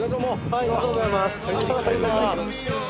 ありがとうございます。